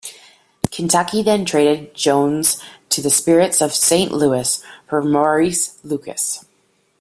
Kentucky then traded Jones to the Spirits of Saint Louis for Maurice Lucas.